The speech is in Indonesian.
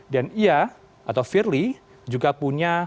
dan ia atau firly juga punya